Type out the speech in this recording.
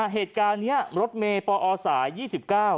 เหตุการณ์นี้รถเมฆก็มาเลนขวา